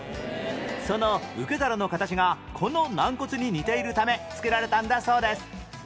その受け皿の形がこの軟骨に似ているため付けられたんだそうです